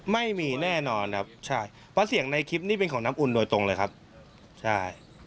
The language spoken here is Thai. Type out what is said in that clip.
ไม่มีแน่นอนครับใช่เพราะเสียงในคลิปนี้เป็นของน้ำอุ่นโดยตรงเลยครับใช่